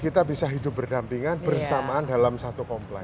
kita bisa hidup berdampingan bersamaan dalam satu kompleks